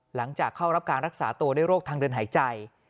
หลังจากเข้ารับการรักษาตัวด้วยโรคทางเดินหายใจ